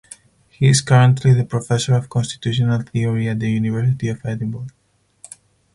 He is currently the Professor of Constitutional Theory at the University of Edinburgh.